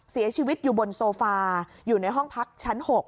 เสียชีวิตอยู่บนโซฟาอยู่ในห้องพักชั้น๖